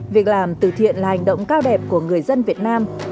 việc làm từ thiện là hành động cao đẹp của người dân việt nam